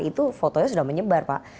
itu fotonya sudah menyebar pak